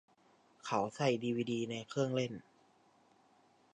เขาใส่ดีวีดีในเครื่องเล่น